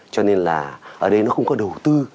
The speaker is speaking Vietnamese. cho nên là ở đây nó không có đầu tư